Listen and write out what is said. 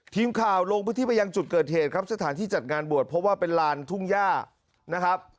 ทีมข่าวลงพื้นที่ไปยังจุดเกิดเหตุครับสถานที่จัดงานบวชเพราะว่าเป็นลานทุ่งย่านะครับ